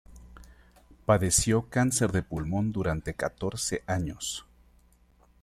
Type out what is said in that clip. Padeció cáncer de pulmón durante catorce años.